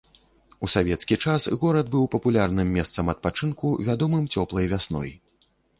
У савецкі час горад быў папулярным месцам адпачынку, вядомым цёплай вясной.